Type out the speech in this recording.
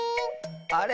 あれ？